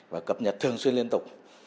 và cập nhật thường xuyên liên tục